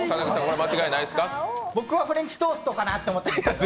僕はフレンチトーストかなと思ったんですけど。